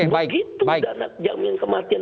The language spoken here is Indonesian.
begitu dana jaminan kematian